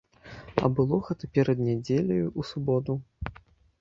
А было гэта перад нядзеляю, у суботу.